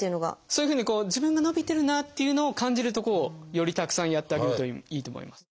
そういうふうに自分が伸びてるなっていうのを感じるとこをよりたくさんやってあげるといいと思います。